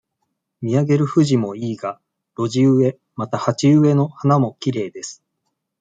見上げるフジもいいが、路地植え、また、鉢植えの花もきれいです。